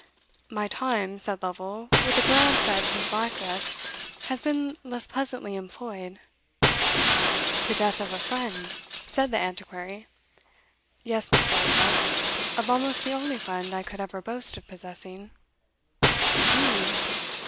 "My time," said Lovel, with a glance at his black dress, "has been less pleasantly employed." "The death of a friend?" said the Antiquary. "Yes, Mr. Oldbuck of almost the only friend I could ever boast of possessing." "Indeed?